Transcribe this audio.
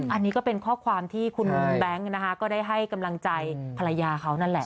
อันนี้ก็เป็นข้อความที่คุณแบงค์นะคะก็ได้ให้กำลังใจภรรยาเขานั่นแหละ